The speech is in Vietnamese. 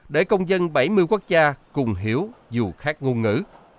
để công dân bảy mươi quốc gia cùng hiểu dù khác ngôn ngữ